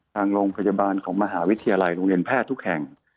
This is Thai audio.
ทางโรงพยาบาลของมหาวิทยาลัยโรงเรียนแพทย์ทุกแห่ง